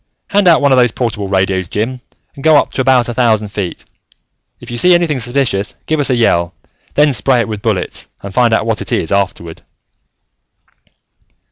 Hand out one of the portable radios, Jim and go up to about a thousand feet. If you see anything suspicious, give us a yell, then spray it with bullets, and find out what it is afterward."